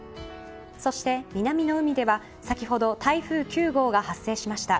そして南の上では先ほど台風９号が発生しました。